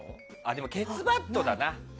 でも、ケツバットだな。